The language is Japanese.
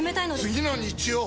次の日曜！